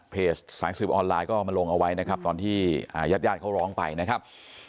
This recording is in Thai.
สายสืบออนไลน์ก็เอามาลงเอาไว้นะครับตอนที่ญาติญาติเขาร้องไปนะครับ